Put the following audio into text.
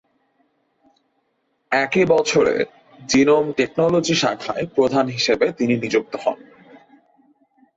একই বছরে genome technology শাখায় প্রধান হিসেবে তিনি নিযুক্ত হন।